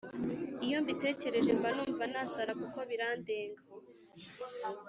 iyo mbitekereje mbanumva nasara kuko birandenga